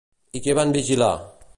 I què van vigilar?